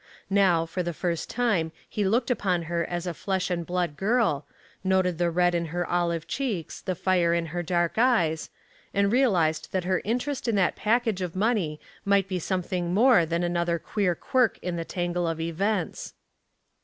Now for the first time he looked upon her as a flesh and blood girl, noted the red in her olive cheeks, the fire in her dark eyes, and realized that her interest in that package of money might be something more than another queer quirk in the tangle of events.